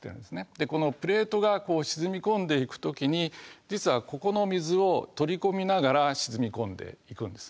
でこのプレートがこう沈み込んでいく時に実はここの水を取り込みながら沈み込んでいくんです。